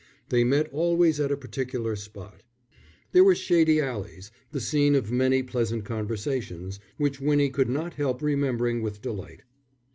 They met always at a particular spot. There were shady alleys, the scene of many pleasant conversations, which Winnie could not help remembering with delight.